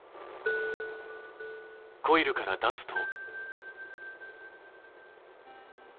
コイルから出すと。